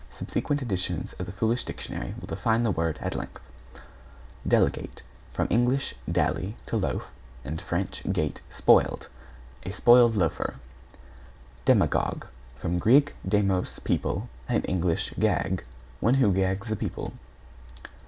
Subsequent editions of The Foolish Dictionary will define the word at length). =DELEGATE= From Eng. dally, to loaf, and Fr. gate, spoiled. A spoiled loafer. =DEMAGOGUE= From Grk. demos, people, and Eng. gag. One who gags the people.